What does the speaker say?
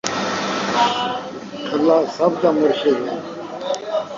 کھلّا سب دا مرشد ہے